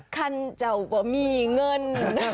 คันเจ้าก็มีเงิน